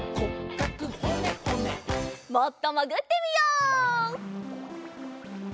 もっともぐってみよう。